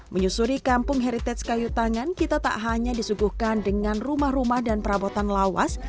menyusuri kampung heritage kayu tangan kita tak hanya disuguhkan dengan rumah rumah dan perabotan lawas